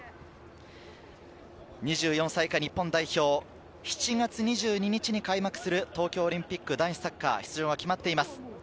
２４歳以下、日本代表、７月２２日に開幕する東京オリンピック男子サッカー出場が決まっています。